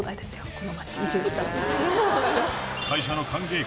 この街移住したら。